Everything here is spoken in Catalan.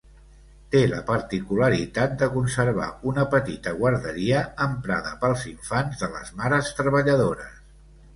Té la particularitat de conservar una petita guarderia emprada pels infants de les mares treballadores.